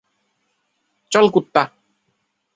চল, কুত্তা।